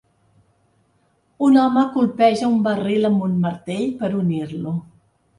Un home colpeja un barril amb un martell per unir-lo.